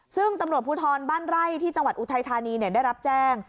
ซึ่งตำรวจภูทรบ้านไร่ที่จังหวัดอุทัยธานีได้รับแจ้ง